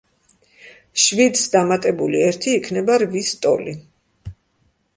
შვიდს დამატებული ერთი იქნება რვის ტოლი.